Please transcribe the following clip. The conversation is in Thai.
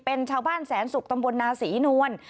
เป็นชาวบ้านแสนศุกร์ตำบลนาศรีนวล